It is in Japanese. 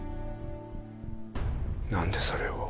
なんでそれを。